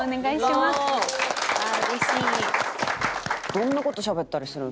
どんな事しゃべったりするん？